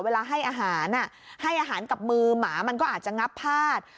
เวลาให้อาหารให้อาหารกับมือหมามันก็อาจจะงับพาด